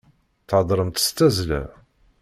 Theddṛemt s tazzla.